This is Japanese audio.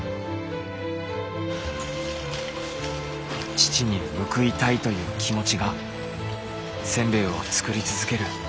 父に報いたいという気持ちがせんべいを作り続ける